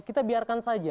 kita biarkan saja